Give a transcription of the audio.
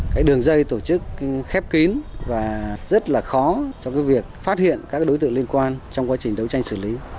cái đường dây tổ chức khép kín và rất là khó cho cái việc phát hiện các đối tượng liên quan trong quá trình đấu tranh xử lý